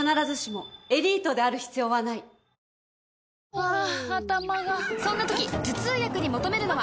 あハァ頭がそんな時頭痛薬に求めるのは？